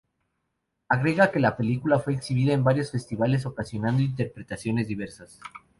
Agrega que la película fue exhibida en varios festivales ocasionando interpretaciones diversas.